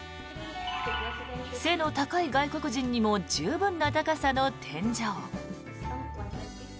背の高い外国人にも十分な高さの天井。